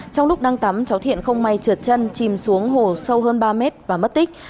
trong lúc đang tắm cháu thiện không may trượt chân chìm xuống hồ sâu hơn ba mét và mất tích